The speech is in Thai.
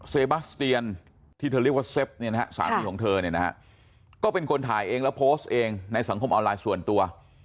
เซบัสเตียนที่เธอเรียกว่าเซฟเนี่ยนะฮะสามีของเธอเนี่ยนะฮะก็เป็นคนถ่ายเองแล้วโพสต์เองในสังคมออนไลน์ส่วนตัว